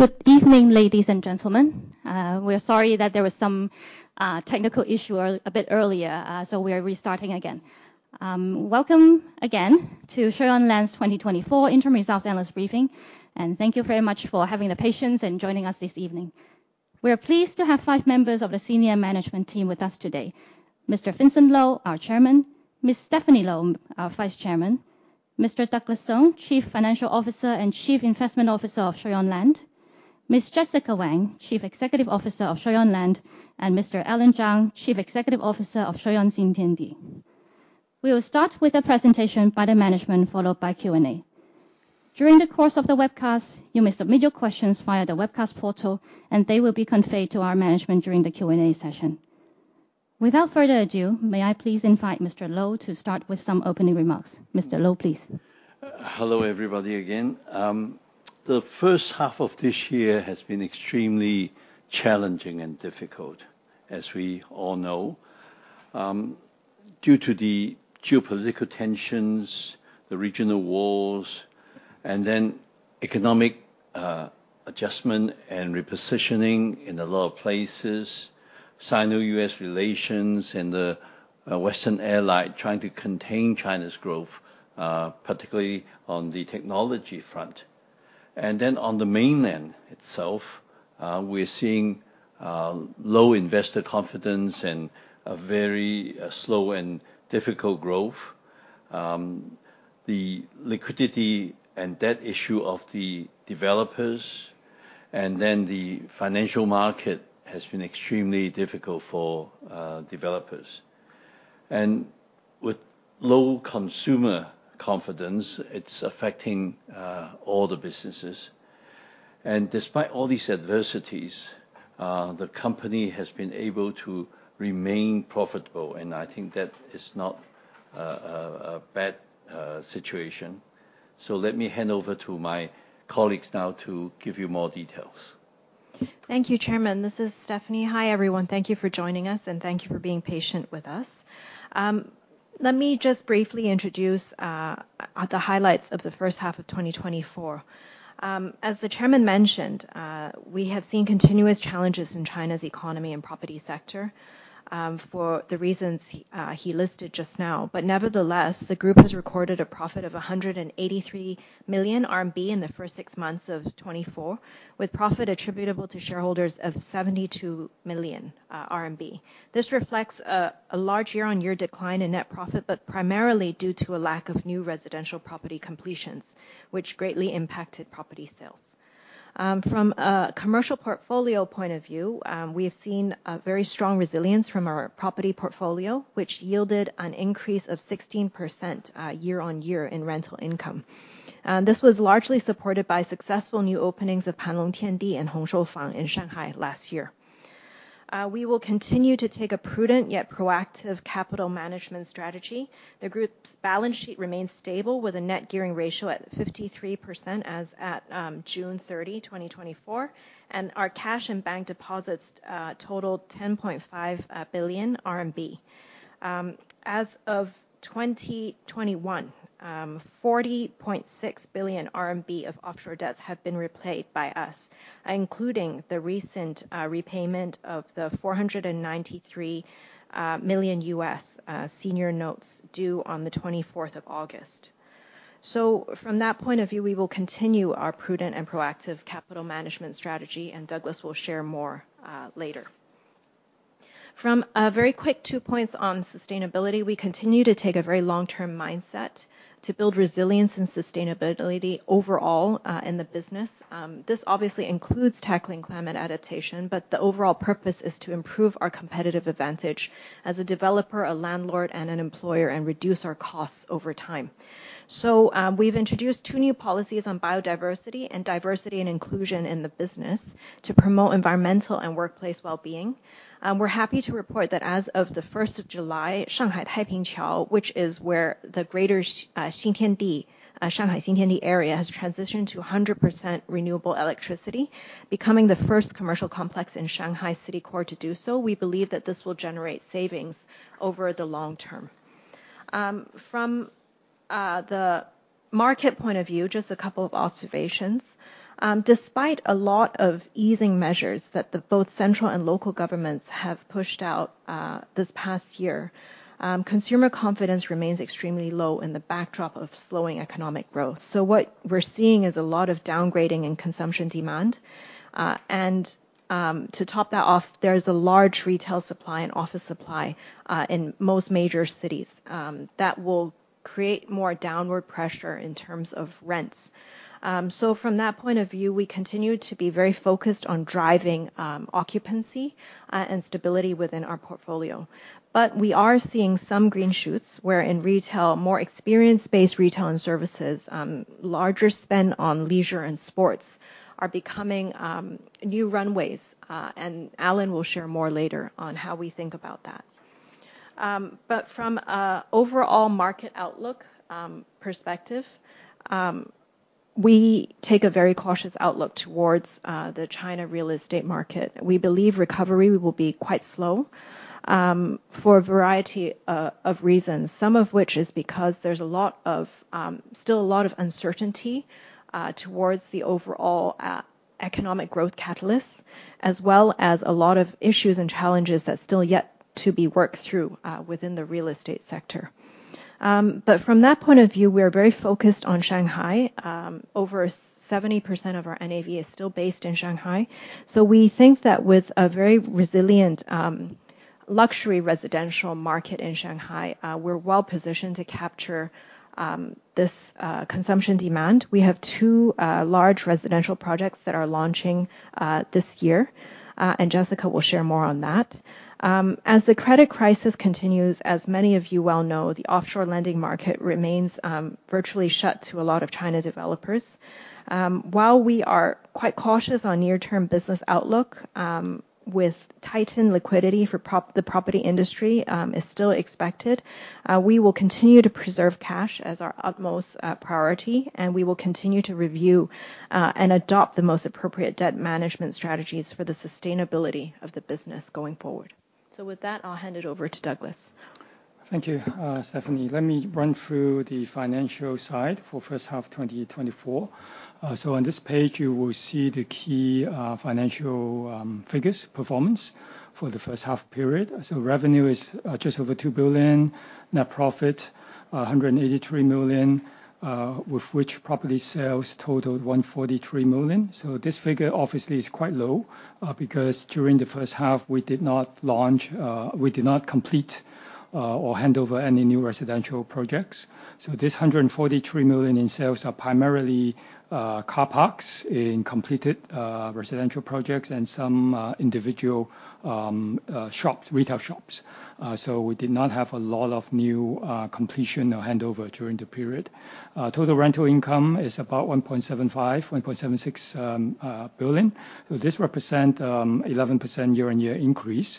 Good evening, ladies and gentlemen. We're sorry that there was some technical issue a bit earlier, so we are restarting again. Welcome again to Shui On Land's 2024 interim results analyst briefing, and thank you very much for having the patience in joining us this evening. We are pleased to have five members of the senior management team with us today: Mr. Vincent Lo, our chairman, Ms. Stephanie Lo, our vice chairman, Mr. Douglas Sung, Chief Financial Officer and Chief Investment Officer of Shui On Land, Ms. Jessica Wang, Chief Executive Officer of Shui On Land, and Mr. Allan Zhang, Chief Executive Officer of Shui On Xintiandi. We will start with a presentation by the management, followed by Q&A. During the course of the webcast, you may submit your questions via the webcast portal, and they will be conveyed to our management during the Q&A session. Without further ado, may I please invite Mr. Lo to start with some opening remarks. Mr. Lo, please. Hello, everybody, again. The first half of this year has been extremely challenging and difficult, as we all know, due to the geopolitical tensions, the regional wars, and then economic adjustment and repositioning in a lot of places, Sino-US relations, and the Western ally trying to contain China's growth, particularly on the technology front, and then on the mainland itself, we're seeing low investor confidence and a very slow and difficult growth. The liquidity and debt issue of the developers, and then the financial market has been extremely difficult for developers, and with low consumer confidence, it's affecting all the businesses, and despite all these adversities, the company has been able to remain profitable, and I think that is not a bad situation. So let me hand over to my colleagues now to give you more details. Thank you, Chairman. This is Stephanie. Hi, everyone. Thank you for joining us, and thank you for being patient with us. Let me just briefly introduce the highlights of the first half of 2024. As the chairman mentioned, we have seen continuous challenges in China's economy and property sector, for the reasons he listed just now, but nevertheless, the group has recorded a profit of 183 million RMB in the first six months of 2024, with profit attributable to shareholders of 72 million RMB. This reflects a large year-on-year decline in net profit, but primarily due to a lack of new residential property completions, which greatly impacted property sales. From a commercial portfolio point of view, we have seen a very strong resilience from our property portfolio, which yielded an increase of 16% year-on year-in rental income. This was largely supported by successful new openings of Panlong Tiandi and Hong Shou Fang in Shanghai last year. We will continue to take a prudent, yet proactive, capital management strategy. The group's balance sheet remains stable, with a net gearing ratio at 53% as at June 30, 2024, and our cash and bank deposits totaled 10.5 billion RMB. As of 2021, 40.6 billion RMB of offshore debts have been repaid by us, including the recent repayment of the $493 million senior notes due on the 24th of August. So from that point of view, we will continue our prudent and proactive capital management strategy, and Douglas will share more later. From a very quick two points on sustainability, we continue to take a very long-term mindset to build resilience and sustainability overall in the business. This obviously includes tackling climate adaptation, but the overall purpose is to improve our competitive advantage as a developer, a landlord, and an employer, and reduce our costs over time. So, we've introduced two new policies on biodiversity and diversity and inclusion in the business to promote environmental and workplace wellbeing. We're happy to report that as of the first of July, Shanghai Taipingqiao, which is where the greater Shanghai Xintiandi area, has transitioned to 100% renewable electricity, becoming the first commercial complex in Shanghai city core to do so. We believe that this will generate savings over the long term. From the market point of view, just a couple of observations. Despite a lot of easing measures that the both central and local governments have pushed out, this past year, consumer confidence remains extremely low in the backdrop of slowing economic growth. So what we're seeing is a lot of downgrading in consumption demand. And to top that off, there is a large retail supply and office supply in most major cities that will create more downward pressure in terms of rents. So from that point of view, we continue to be very focused on driving occupancy and stability within our portfolio. But we are seeing some green shoots, where in retail, more experience-based retail and services, larger spend on leisure and sports, are becoming new runways. And Allan will share more later on how we think about that. But from an overall market outlook perspective, we take a very cautious outlook towards the China real estate market. We believe recovery will be quite slow, for a variety of reasons, some of which is because there's still a lot of uncertainty towards the overall economic growth catalysts, as well as a lot of issues and challenges that still to be worked through within the real estate sector. But from that point of view, we are very focused on Shanghai. Over 70% of our NAV is still based in Shanghai. So we think that with a very resilient luxury residential market in Shanghai, we're well positioned to capture this consumption demand. We have two large residential projects that are launching this year, and Jessica will share more on that. As the credit crisis continues, as many of you well know, the offshore lending market remains virtually shut to a lot of China's developers. While we are quite cautious on near-term business outlook, with tightened liquidity for the property industry is still expected, we will continue to preserve cash as our utmost priority, and we will continue to review and adopt the most appropriate debt management strategies for the sustainability of the business going forward. So with that, I'll hand it over to Douglas. Thank you, Stephanie. Let me run through the financial side for first half 2024. So on this page, you will see the key financial figures performance for the first half period. So revenue is just over 2 billion, net profit 183 million, with which property sales totaled 143 million. So this figure obviously is quite low because during the first half, we did not launch, we did not complete or hand over any new residential projects. So this 143 million in sales are primarily car parks in completed residential projects and some individual shops, retail shops. So we did not have a lot of new completion or handover during the period. Total rental income is about 1.75 billion-1.76 billion. This represents 11% year-on-year increase,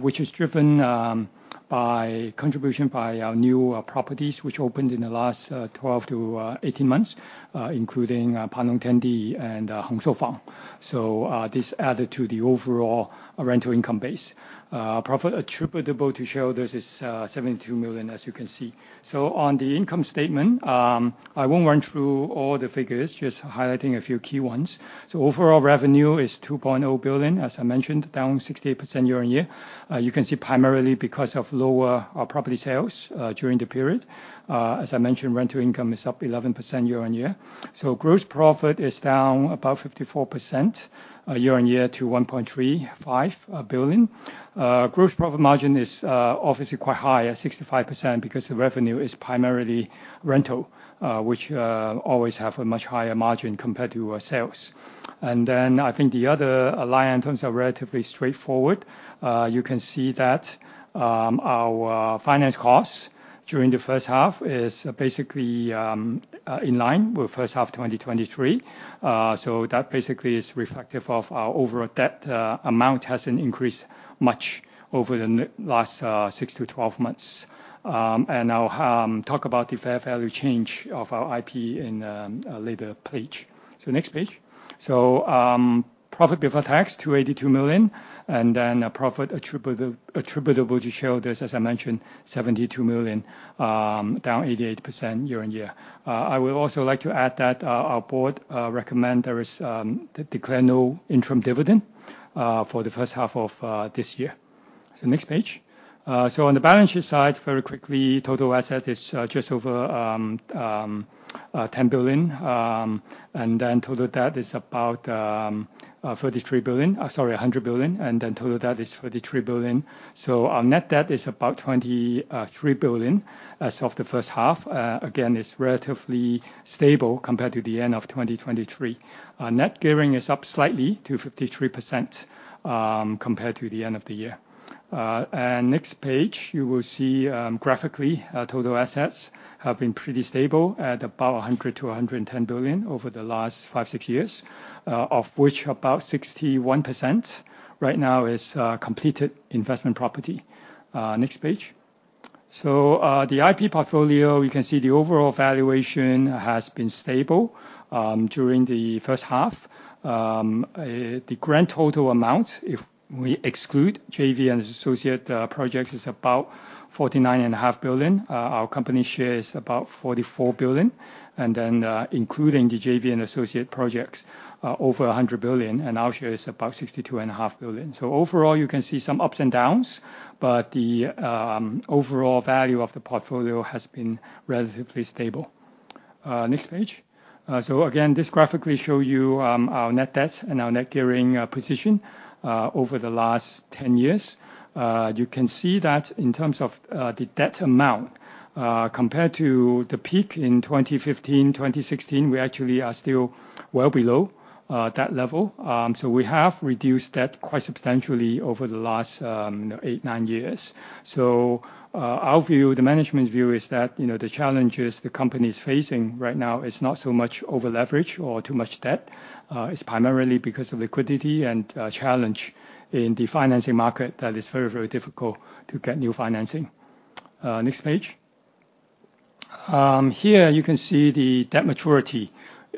which is driven by contribution by our new properties, which opened in the last 12-18 months, including Panlong Tiandi and Hong Shou Fang. This added to the overall rental income base. Profit attributable to shareholders is 72 million, as you can see. On the income statement, I won't run through all the figures, just highlighting a few key ones. Overall revenue is 2.0 billion, as I mentioned, down 68% year-on-year. You can see primarily because of lower property sales during the period. As I mentioned, rental income is up 11% year-on-year. Gross profit is down about 54% year-on-year to 1.35 billion. Gross profit margin is obviously quite high at 65% because the revenue is primarily rental, which always have a much higher margin compared to sales. And then, I think the other line in terms of relatively straightforward, you can see that our finance costs during the first half is basically in line with first half 2023. So that basically is reflective of our overall debt amount hasn't increased much over the last six to 12 months. And I'll talk about the fair value change of our IP in a later page. So next page. So, profit before tax, 282 million, and then, profit attributable to shareholders, as I mentioned, 72 million, down 88% year-on-year. I would also like to add that, our board recommend there is, declare no interim dividend, for the first half of, this year. Next page. On the balance sheet side, very quickly, total asset is, just over, 10 billion, and then total debt is about, 33 billion... sorry, 100 billion, and then total debt is 33 billion. Our net debt is about 23 billion as of the first half. Again, it is relatively stable compared to the end of 2023. Our net gearing is up slightly to 53%, compared to the end of the year. And next page, you will see, graphically, total assets have been pretty stable at about 100 billion-110 billion over the last five, six years, of which about 61% right now is completed investment property. Next page. So, the IP portfolio, you can see the overall valuation has been stable during the first half. The grand total amount, if we exclude JV and associate projects, is about 49.5 billion. Our company share is about 44 billion, and then, including the JV and associate projects, over 100 billion, and our share is about 62.5 billion. So overall, you can see some ups and downs, but the overall value of the portfolio has been relatively stable. Next page. So again, this graphically show you our net debt and our net gearing position over the last 10 years. You can see that in terms of the debt amount compared to the peak in 2015, 2016, we actually are still well below that level. So we have reduced debt quite substantially over the last eight, nine years. So our view, the management view, is that, you know, the challenges the company is facing right now is not so much over leverage or too much debt. It's primarily because of liquidity and challenge in the financing market that is very, very difficult to get new financing. Next page. Here you can see the debt maturity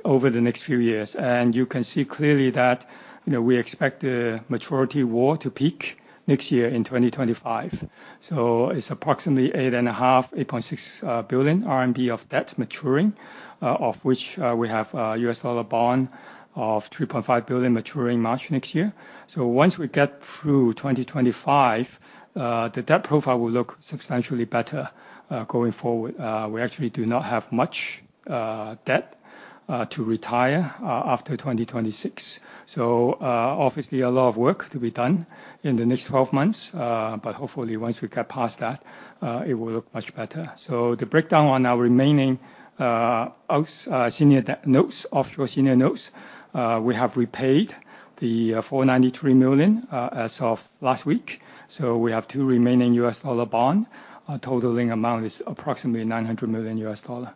over the next few years, and you can see clearly that, you know, we expect the maturity wall to peak next year in 2025. So it's approximately 8.5, 8.6 billion RMB of debt maturing, of which, we have a US dollar bond of 3.5 billion maturing March next year. So once we get through 2025, the debt profile will look substantially better, going forward. We actually do not have much debt to retire after 2026. So, obviously, a lot of work to be done in the next 12 months, but hopefully, once we get past that, it will look much better. So the breakdown on our remaining senior notes, offshore senior notes, we have repaid the $493 million as of last week, so we have two remaining US dollar bond. Totaling amount is approximately $900 million.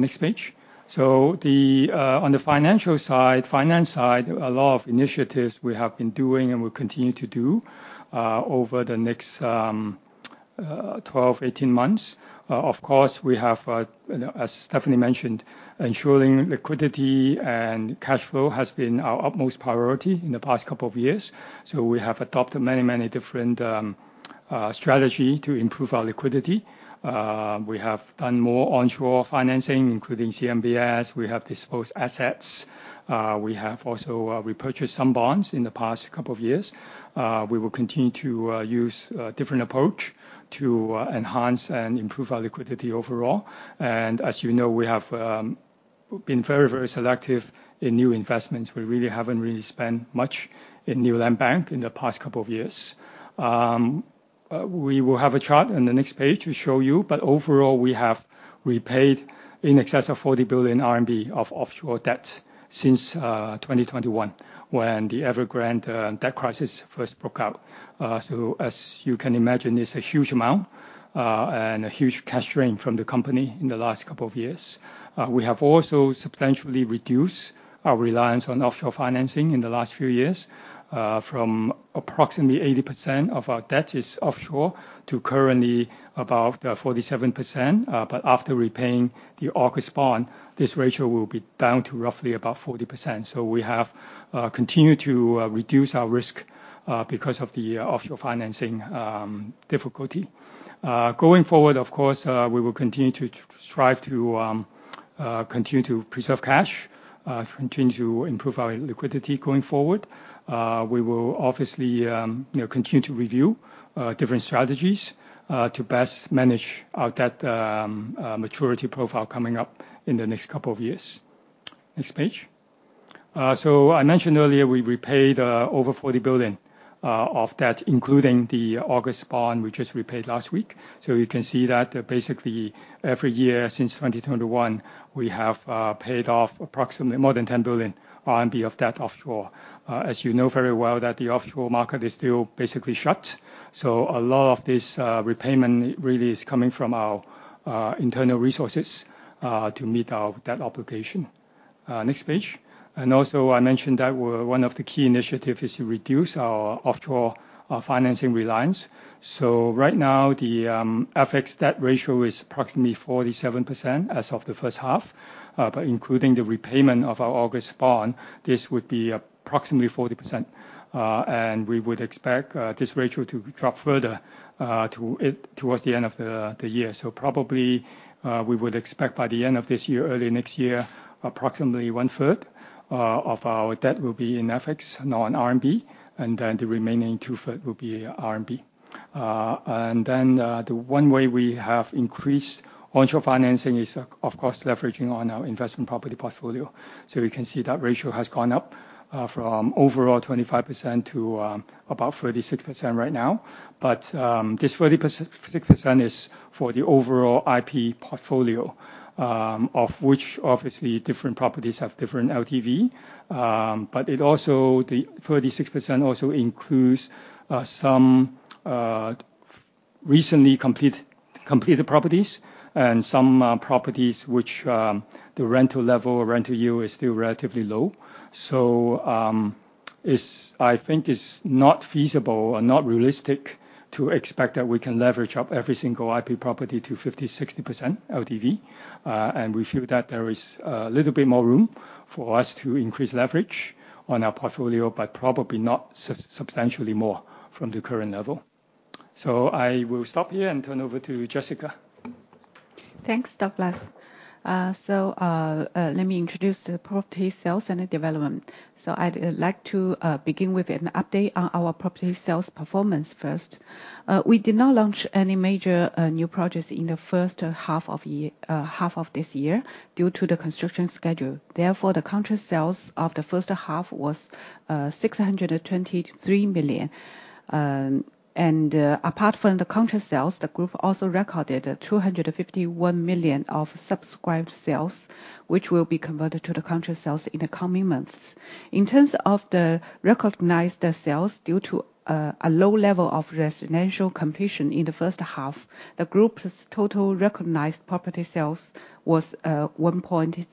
Next page. So on the financial side, finance side, a lot of initiatives we have been doing and will continue to do over the next twelve, eighteen months. Of course, we have, you know, as Stephanie mentioned, ensuring liquidity and cash flow has been our utmost priority in the past couple of years, so we have adopted many, many different strategy to improve our liquidity. We have done more onshore financing, including CMBS. We have disposed assets. We have also repurchased some bonds in the past couple of years. We will continue to use a different approach to enhance and improve our liquidity overall, and as you know, we have been very, very selective in new investments. We really haven't really spent much in new land bank in the past couple of years. We will have a chart on the next page to show you, but overall, we have repaid in excess of 40 billion RMB of offshore debt since 2021, when the Evergrande debt crisis first broke out, so as you can imagine, it's a huge amount and a huge cash drain from the company in the last couple of years. We have also substantially reduced our reliance on offshore financing in the last few years, from approximately 80% of our debt is offshore to currently about 47%. But after repaying the August bond, this ratio will be down to roughly about 40%. So we have continued to reduce our risk because of the offshore financing difficulty. Going forward, of course, we will continue to strive to continue to preserve cash, continue to improve our liquidity going forward. We will obviously, you know, continue to review different strategies to best manage our debt maturity profile coming up in the next couple of years. Next page. So I mentioned earlier, we repaid over 40 billion of debt, including the August bond, which was repaid last week. So you can see that basically every year since 2021, we have paid off approximately more than 10 billion RMB of debt offshore. As you know very well that the offshore market is still basically shut, so a lot of this repayment really is coming from our internal resources to meet our debt obligation. Next page. And also, I mentioned that we're one of the key initiatives is to reduce our offshore financing reliance. So right now, the FX debt ratio is approximately 47% as of the first half, but including the repayment of our August bond, this would be approximately 40%. And we would expect this ratio to drop further to it towards the end of the year. So probably we would expect by the end of this year, early next year, approximately 1/3 of our debt will be in FX, not in RMB, and then the remaining 2/3 will be RMB. And then, the one way we have increased onshore financing is, of course, leveraging on our investment property portfolio. So we can see that ratio has gone up, from overall 25% to about 36% right now. But, this 36% is for the overall IP portfolio, of which obviously different properties have different LTV. But it also, the 36% also includes some recently completed properties and some properties which the rental level or rental yield is still relatively low. So, it's... I think it's not feasible and not realistic to expect that we can leverage up every single IP property to 50-60% LTV. And we feel that there is a little bit more room for us to increase leverage on our portfolio, but probably not substantially more from the current level. So I will stop here and turn over to Jessica. Thanks, Douglas. So let me introduce the property sales and the development, so I'd like to begin with an update on our property sales performance first. We did not launch any major new projects in the first half of this year due to the construction schedule. Therefore, the contract sales of the first half was 623 million. And apart from the contract sales, the group also recorded 251 million of subscribed sales, which will be converted to the contract sales in the coming months. In terms of the recognized sales, due to a low level of residential completion in the first half, the group's total recognized property sales was 1.69 billion.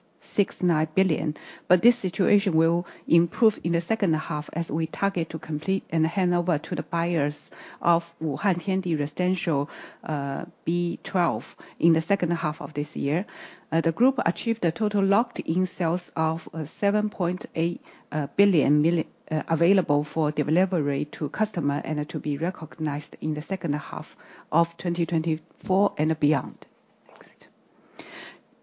But this situation will improve in the second half, as we target to complete and hand over to the buyers of Wuhan Tiandi Residential, B12. In the second half of this year, the group achieved a total locked-in sales of 7.8 billion available for delivery to customer and to be recognized in the second half of 2024 and beyond.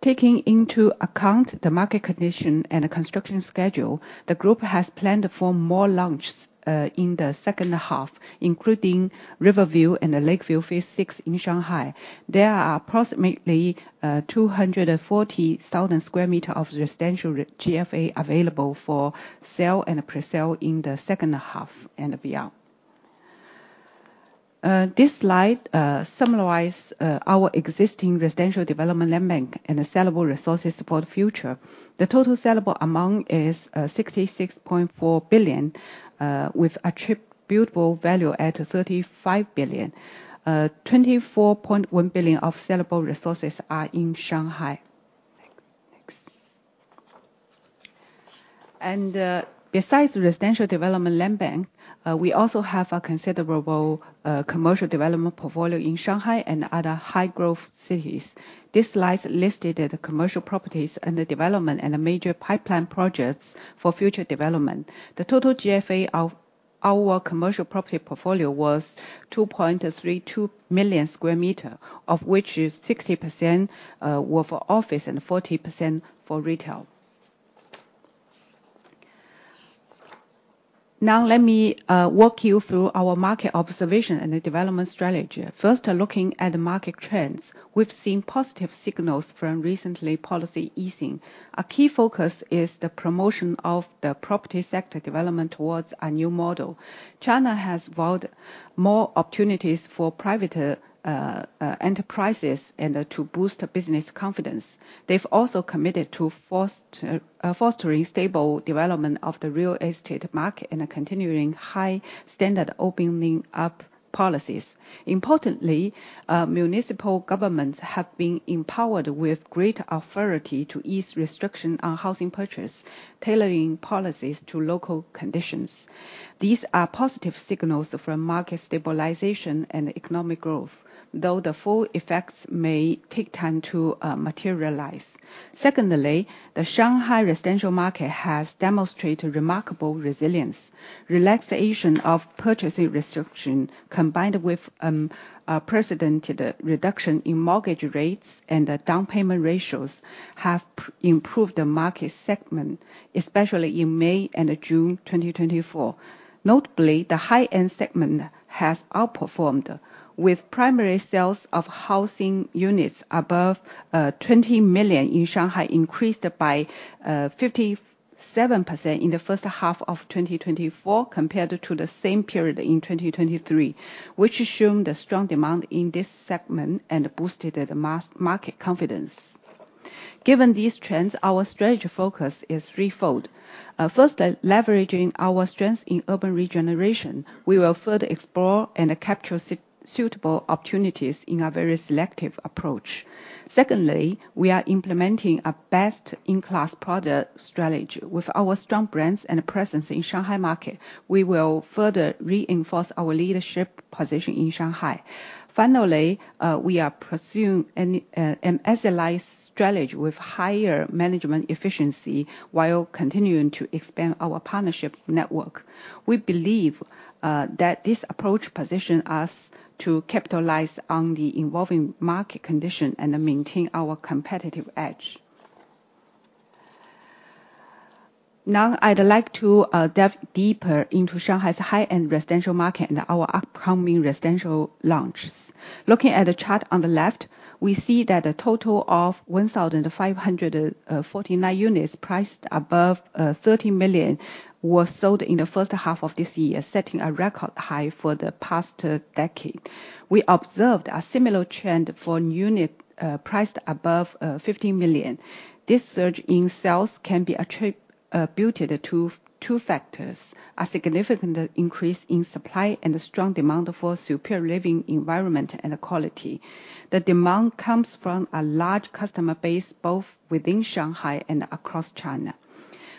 Taking into account the market condition and the construction schedule, the group has planned for more launches in the second half, including Riverville and the Lakeville Phase VI in Shanghai. There are approximately 240,000 square meters of residential GFA available for sale and pre-sale in the second half and beyond. This slide summarize our existing residential development land bank and the sellable resources for the future. The total sellable amount is 66.4 billion, with attributable value at 35 billion. 24.1 billion of sellable resources are in Shanghai. Next. Besides the residential development land bank, we also have a considerable commercial development portfolio in Shanghai and other high growth cities. This slide listed the commercial properties and the development and the major pipeline projects for future development. The total GFA of our commercial property portfolio was 2.32 million square meter, of which is 60%, were for office and 40% for retail. Now let me walk you through our market observation and the development strategy. First, looking at the market trends, we've seen positive signals from recently policy easing. A key focus is the promotion of the property sector development towards a new model. China has vowed more opportunities for private enterprises and to boost business confidence. They've also committed to fostering stable development of the real estate market and a continuing high standard opening up policies. Importantly, municipal governments have been empowered with great authority to ease restriction on housing purchase, tailoring policies to local conditions. These are positive signals for market stabilization and economic growth, though the full effects may take time to materialize. Secondly, the Shanghai residential market has demonstrated remarkable resilience. Relaxation of purchasing restriction, combined with unprecedented reduction in mortgage rates and the down payment ratios, have improved the market sentiment, especially in May and June 2024. Notably, the high-end segment has outperformed, with primary sales of housing units above 20 million in Shanghai increased by 57% in the first half of 2024, compared to the same period in 2023, which showed a strong demand in this segment and boosted the market confidence. Given these trends, our strategy focus is threefold. First, leveraging our strengths in urban regeneration, we will further explore and capture suitable opportunities in a very selective approach. Secondly, we are implementing a best-in-class product strategy. With our strong brands and presence in Shanghai market, we will further reinforce our leadership position in Shanghai. Finally, we are pursuing an Asset Light strategy with higher management efficiency, while continuing to expand our partnership network. We believe that this approach position us to capitalize on the evolving market condition and maintain our competitive edge. Now, I'd like to dive deeper into Shanghai's high-end residential market and our upcoming residential launches. Looking at the chart on the left, we see that a total of 1,549 units, priced above 30 million, was sold in the first half of this year, setting a record high for the past decade. We observed a similar trend for unit priced above 50 million. This surge in sales can be attributed to two factors: a significant increase in supply and a strong demand for superior living environment and quality. The demand comes from a large customer base, both within Shanghai and across China.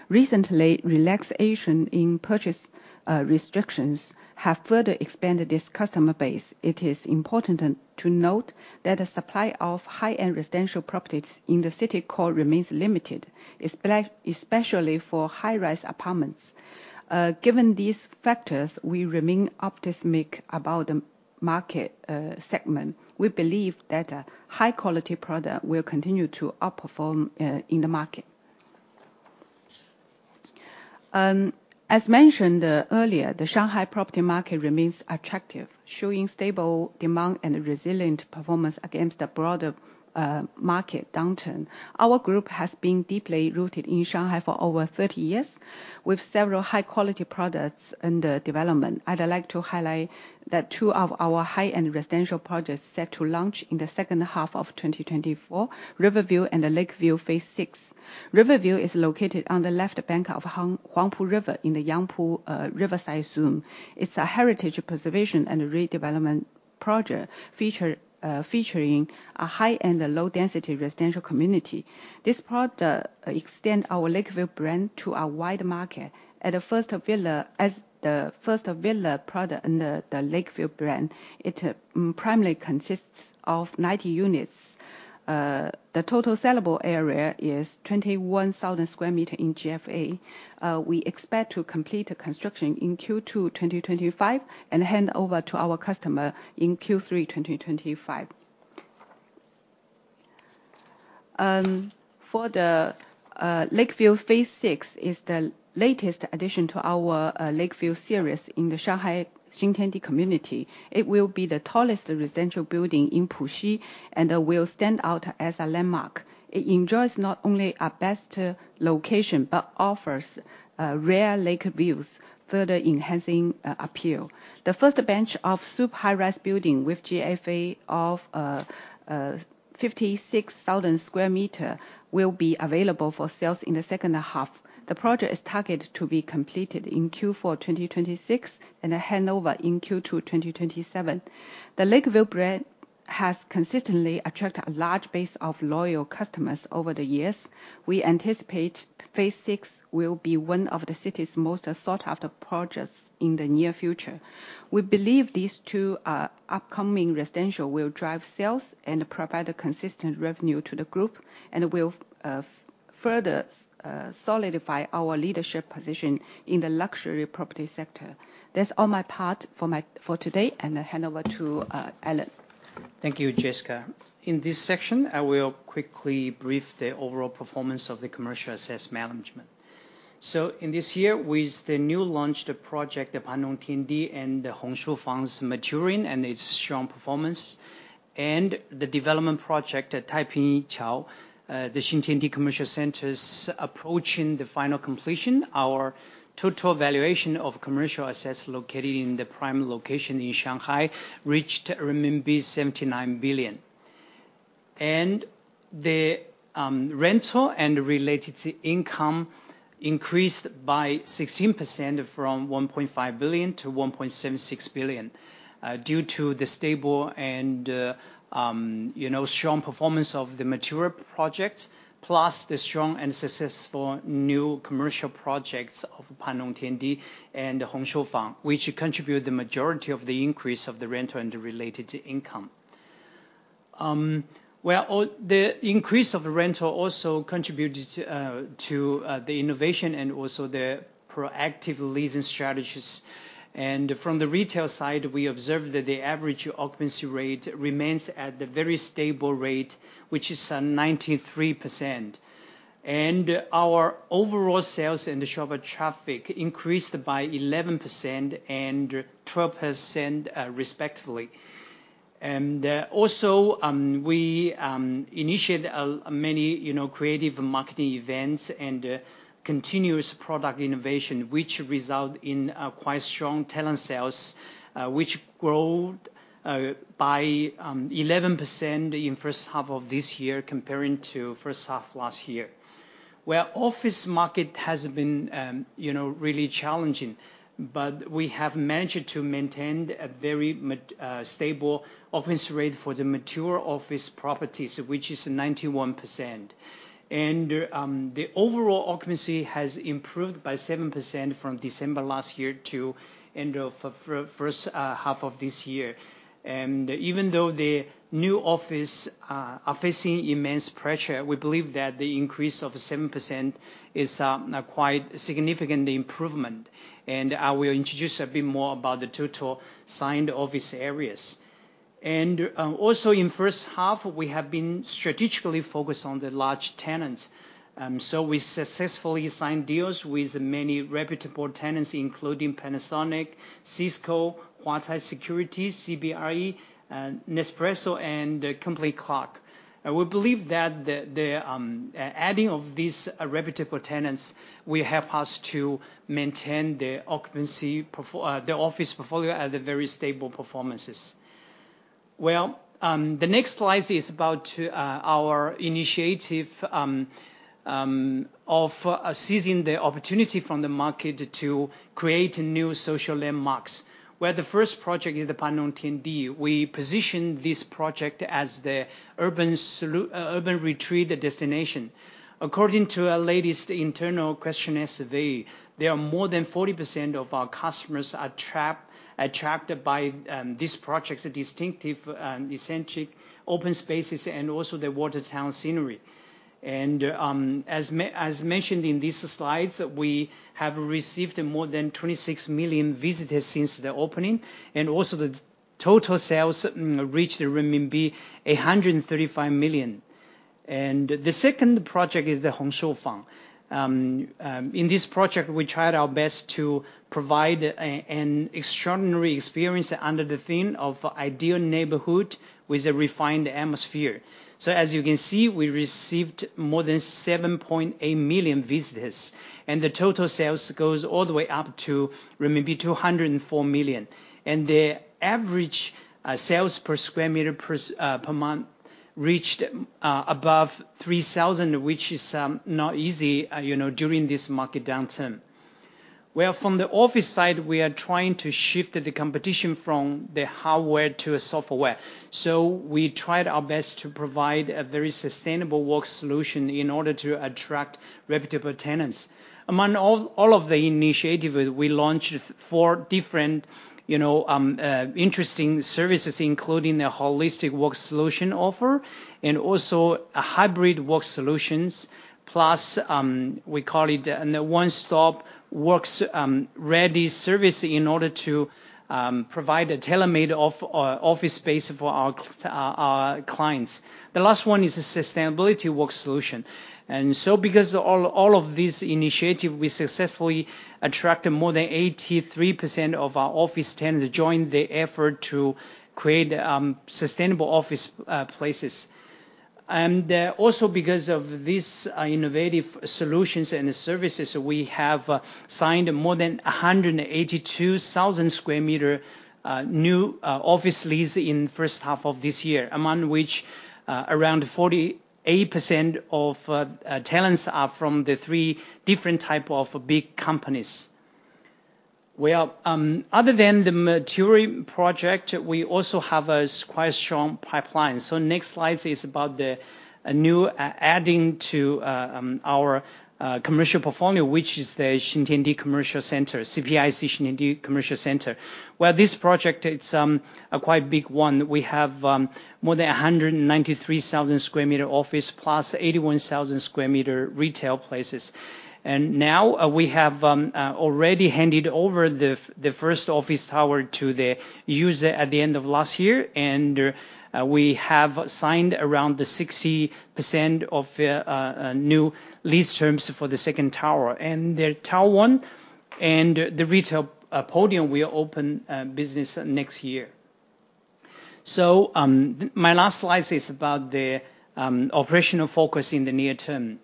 Recently, relaxation in purchase restrictions have further expanded this customer base. It is important to note that the supply of high-end residential properties in the city core remains limited, especially for high-rise apartments. Given these factors, we remain optimistic about the market segment. We believe that a high quality product will continue to outperform in the market. As mentioned earlier, the Shanghai property market remains attractive, showing stable demand and resilient performance against the broader market downturn. Our group has been deeply rooted in Shanghai for over 30 years, with several high-quality products under development. I'd like to highlight that two of our high-end residential projects set to launch in the second half of 2024, Riverville and the Lakeville Phase VI. Riverville is located on the left bank of Huangpu River in the Yangpu Riverside Zone. It's a heritage preservation and redevelopment project, featuring a high-end and low-density residential community. This product extend our Lakeville brand to a wider market. At the first villa as the first villa product in the Lakeville brand, it primarily consists of 90 units. The total sellable area is 21,000 square meters in GFA. We expect to complete the construction in Q2 2025, and hand over to our customer in Q3 2025. For the Lakeville Phase VI is the latest addition to our Lakeville series in the Shanghai Xintiandi community. It will be the tallest residential building in Puxi, and it will stand out as a landmark. It enjoys not only a best location, but offers rare lake views, further enhancing appeal. The first batch of super high-rise building with GFA of 56,000 square meters will be available for sales in the second half. The project is targeted to be completed in Q4 2026, and a handover in Q2 2027. The Lakeville brand has consistently attracted a large base of loyal customers over the years. We anticipate Phase IV will be one of the city's most sought-after projects in the near future. We believe these two upcoming residential will drive sales and provide a consistent revenue to the group, and will further solidify our leadership position in the luxury property sector. That's all for my part today, and I hand over to Allan. Thank you, Jessica. In this section, I will quickly brief the overall performance of the commercial assets management. In this year, with the new launched project, the Panlong Tiandi and the Hong Shou Fang's maturing and its strong performance, and the development project at Taipingqiao, the Xintiandi Commercial Center's approaching the final completion, our total valuation of commercial assets located in the prime location in Shanghai reached RMB 79 billion. And the rental and related income increased by 16% from 1.5 billion to 1.76 billion due to the stable and, you know, strong performance of the mature projects, plus the strong and successful new commercial projects of Panlong Tiandi and Hong Shou Fang, which contribute the majority of the increase of the rental and the related income. All... The increase of the rental also contributed to the innovation and also the proactive leasing strategies. From the retail side, we observed that the average occupancy rate remains at the very stable rate, which is 93%. Our overall sales and the shopper traffic increased by 11% and 12%, respectively. Also, we initiated many, you know, creative marketing events and continuous product innovation, which result in a quite strong tenant sales, which grow by 11% in first half of this year comparing to first half last year. The office market has been, you know, really challenging, but we have managed to maintain a very stable occupancy rate for the mature office properties, which is 91%. The overall occupancy has improved by 7% from December last year to end of first half of this year. Even though the new office are facing immense pressure, we believe that the increase of 7% is a quite significant improvement, and I will introduce a bit more about the total signed office areas. Also in first half, we have been strategically focused on the large tenants. So we successfully signed deals with many reputable tenants, including Panasonic, Cisco, Huatai Securities, CBRE, Nespresso, and Kimberly-Clark. We believe that the adding of these reputable tenants will help us to maintain the occupancy performance of the office portfolio at the very stable performances. The next slide is about our initiative of seizing the opportunity from the market to create new social landmarks, where the first project is the Panlong Tiandi. We positioned this project as the urban retreat destination. According to our latest internal questionnaire survey, there are more than 40% of our customers are attracted by this project's distinctive and eccentric open spaces, and also the Watertown scenery. As mentioned in these slides, we have received more than 26 million visitors since the opening, and also the total sales reached renminbi 135 million. The second project is the Hong Shou Fang. In this project, we tried our best to provide an extraordinary experience under the theme of ideal neighborhood with a refined atmosphere. As you can see, we received more than 7.8 million visitors, and the total sales goes all the way up to 204 million. The average sales per square meter per month reached above 3,000, which is not easy, you know, during this market downturn... From the office side, we are trying to shift the competition from the hardware to software. So we tried our best to provide a very sustainable work solution in order to attract reputable tenants. Among all of the initiatives, we launched four different, you know, interesting services, including a holistic work solution offer, and also a hybrid work solutions, plus, we call it, a one-stop works, ready service in order to provide a tailor-made of office space for our clients. The last one is a sustainability work solution. And so because all of these initiatives, we successfully attracted more than 83% of our office tenants to join the effort to create sustainable office places. And also because of these innovative solutions and services, we have signed more than 182,000 square meter new office lease in first half of this year, among which, around 48% of tenants are from the three different type of big companies. Other than the maturing project, we also have a quite strong pipeline. Next slide is about the new adding to our commercial portfolio, which is the Xintiandi Commercial Center, CPIC Xintiandi Commercial Center, where this project, it's a quite big one. We have more than 193,000 sq m office, plus 81,000 sq m retail places. And now we have already handed over the first office tower to the user at the end of last year, and we have signed around 60% of new lease terms for the second tower. And the tower one and the retail podium will open business next year. My last slide is about the operational focus in the near term.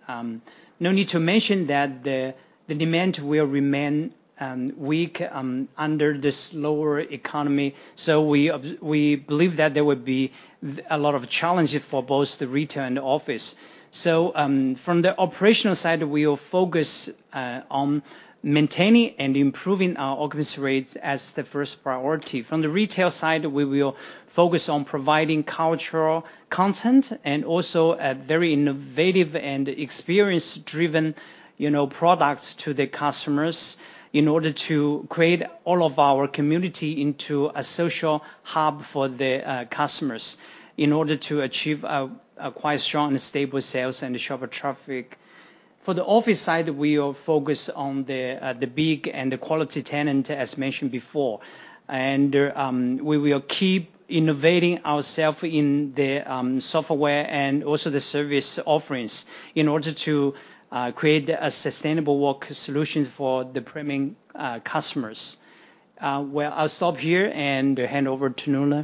No need to mention that the demand will remain weak under this lower economy. So we believe that there will be a lot of challenges for both the retail and office. From the operational side, we will focus on maintaining and improving our occupancy rates as the first priority. From the retail side, we will focus on providing cultural content, and also a very innovative and experience-driven, you know, products to the customers in order to create all of our community into a social hub for the customers, in order to achieve a quite strong and stable sales and shopper traffic. For the office side, we will focus on the big and the quality tenant, as mentioned before. We will keep innovating ourself in the software and also the service offerings in order to create a sustainable work solution for the premier customers. Well, I'll stop here and hand over to Nola.